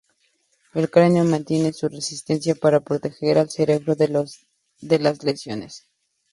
El cráneo mantiene su resistencia para proteger al cerebro de las lesiones.